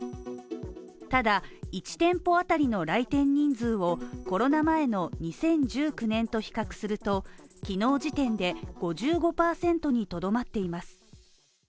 ただ、１店舗当たりの来店人数をコロナ前の２０１６年と比較すると、昨日時点で５５％にとどまっています。